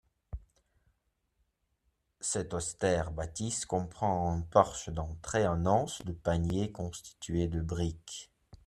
Cette austère bâtisse comprend un porche d'entrée en anse de panier constitué de briques.